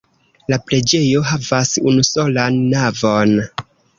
La preĝejo havas unusolan navon.